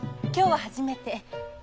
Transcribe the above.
今日は初めて。